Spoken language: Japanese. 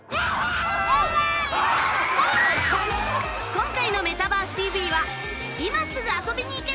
今回の『メタバース ＴＶ！！』は今すぐ遊びに行ける！